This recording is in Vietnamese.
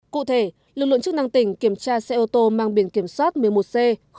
cụ thể lực lượng chức năng tỉnh kiểm tra xe ô tô mang biển kiểm soát một mươi một c một nghìn một trăm một mươi một